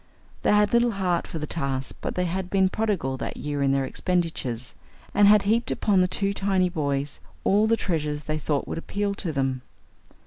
They had little heart for the task, but they had been prodigal that year in their expenditures, and had heaped upon the two tiny boys all the treasures they thought would appeal to them.